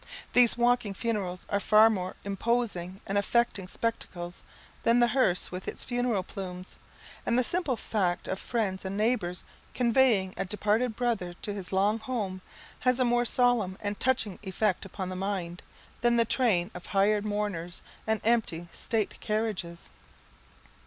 These walking funerals are far more imposing and affecting spectacles than the hearse with its funeral plumes; and the simple fact of friends and neighbours conveying a departed brother to his long home, has a more solemn and touching effect upon the mind, than the train of hired mourners and empty state carriages.